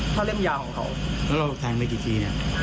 ถ้าเล่มยาวของเขาแล้วเราแทงไปกี่ทีเนี่ย